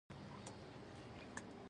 د نورستان خرسونه مشهور دي